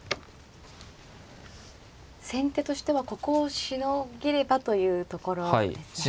先手としてはここをしのげればというところですね。